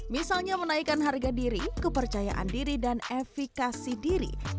misalnya menaikkan harga diri kepercayaan diri dan efikasi diri